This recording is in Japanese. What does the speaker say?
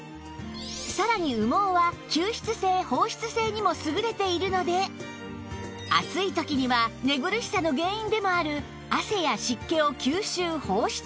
さらに羽毛は吸湿性放湿性にも優れているので暑い時には寝苦しさの原因でもある汗や湿気を吸収・放出